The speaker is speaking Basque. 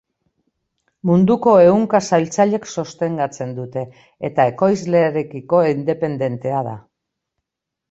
Munduko ehunka saltzailek sostengatzen dute eta ekoizlearekiko independentea da.